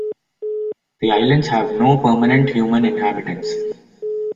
The islands have no permanent human inhabitants.